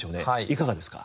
いかがですか？